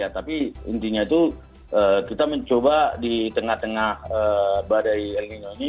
tapi intinya itu kita mencoba di tengah tengah badai el nino ini